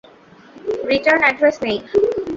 Return address নেই।